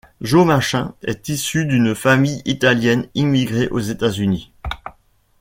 Joe Manchin est issu d'une famille italienne immigrée aux États-Unis.